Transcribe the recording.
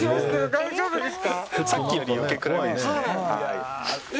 大丈夫です。